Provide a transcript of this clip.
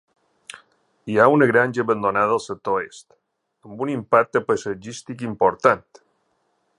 Hi ha una granja abandonada al sector est, amb un impacte paisatgístic important.